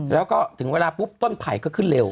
แล้วก็ถึงเวลาปุ๊บต้นไผ่ก็ขึ้นเร็ว